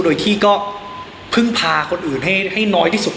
โดยที่ก็พึ่งพาคนอื่นให้น้อยที่สุด